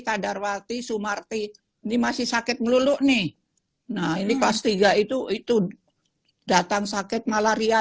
kadarwati sumarti ini masih sakit melulu nih nah ini kelas tiga itu itu datang sakit malaria